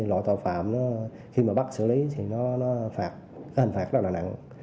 loại tội phạm khi mà bắt xử lý thì hình phạt rất là nặng